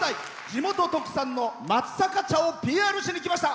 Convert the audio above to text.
地元特産の松阪茶をＰＲしにきました。